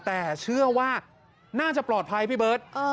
แต่เชื่อว่าน่าจะปลอดภัยพี่เบิร์ต